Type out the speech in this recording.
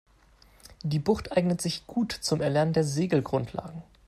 Die Bucht eignet sich gut zum Erlernen der Segelgrundlagen.